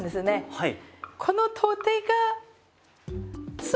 はい。